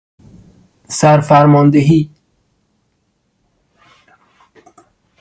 سرفرماندهی